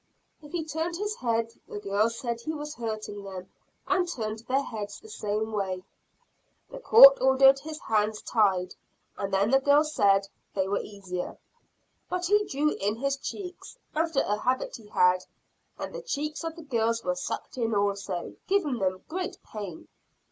If he turned his head, the girls said he was hurting them and turned their heads the same way. The Court ordered his hands tied and then the girls said they were easier. But he drew in his cheeks, after a habit he had, and the cheeks of the girls were sucked in also, giving them great pain.